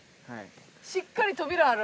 しっかり扉ある。